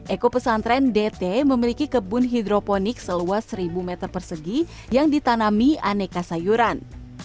eko pesantren dt memiliki kebun hidroponik seluas seribu meter persegi yang ditanami aneka sayuran